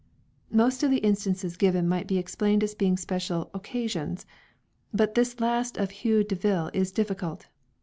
Most of the instances given might be explained as being special "occa sions "; but this last of Hugh de Nevill is difficult.